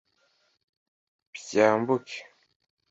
byambuke